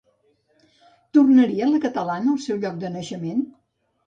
Tornaria la catalana al seu lloc de naixement?